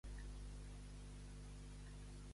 Què ha explicat Puigdemont?